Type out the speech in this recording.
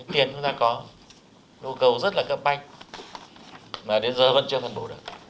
tiền chúng ta có nhu cầu rất là cấp banh mà đến giờ vẫn chưa phân bổ được